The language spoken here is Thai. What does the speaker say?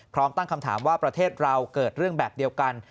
ตั้งคำถามว่าประเทศเราเกิดเรื่องแบบเดียวกัน